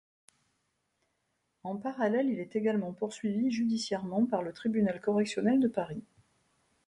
En parallèle, il est également poursuivi judiciairement par le tribunal correctionnel de Paris.